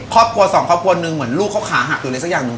ครอบครัวสองครอบครัวหนึ่งเหมือนลูกเขาขาหักหรืออะไรสักอย่างหนึ่ง